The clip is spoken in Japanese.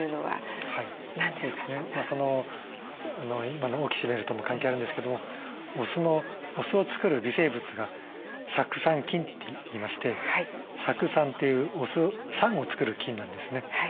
今のオキシメルとも関係あるんですけどもお酢を作る微生物が酢酸菌っていいまして酢酸というお酢酸を作る菌なんですね。